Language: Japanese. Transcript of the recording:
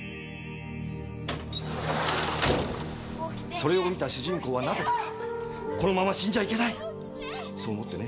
それを見た主人公は何故か「このまま死んじゃいけない！」そう思ってね